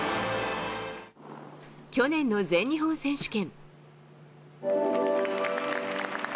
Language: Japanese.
去年の全日本選手権。